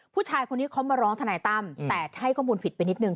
ผู้ชายคนนี้เขามาร้องทนายตั้มแต่ให้ข้อมูลผิดไปนิดนึ